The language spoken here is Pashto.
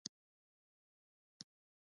قادس ولسوالۍ غرنۍ ده؟